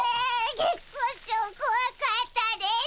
月光町こわかったです。